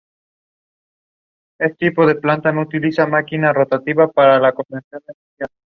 Escocia tradicionalmente llevaba camiseta azul marino, pantalones blancos y medias azules.